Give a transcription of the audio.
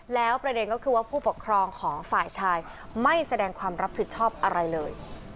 แล้วประเด็นก็คือว่าผู้ปกครองของฝ่ายชายไม่แสดงความรับผิดชอบอะไรเลย